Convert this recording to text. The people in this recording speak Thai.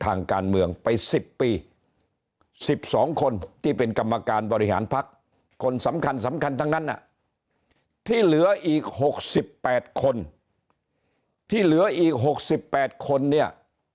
ทางการเมืองไป๑๐ปี๑๒คนที่เป็นกรรมการบริหารพักคนสำคัญสำคัญทั้งนั้นที่เหลืออีก๖๘คนที่เหลืออีก๖๘คนเนี่ย